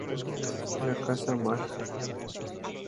La Casa Maj.